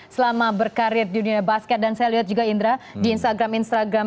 selama berkarir di dunia basket dan saya lihat juga indra di instagram instagram